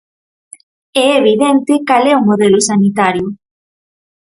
É evidente cal é o modelo sanitario.